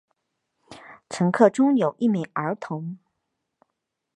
乘客中有一名儿童。